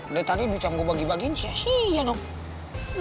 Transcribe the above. dari tadi dicangguh bagi bagi siasih ya dong